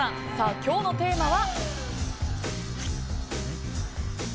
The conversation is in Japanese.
今日のテーマは。